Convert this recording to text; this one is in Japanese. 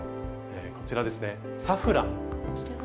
こちらですね「サフラン」。